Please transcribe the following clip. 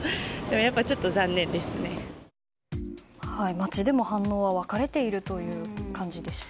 街でも反応は分かれているという感じでした。